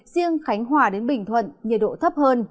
riêng khánh hòa đến bình thuận nhiệt độ thấp hơn